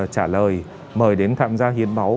trả lời mời đến tham gia hiên máu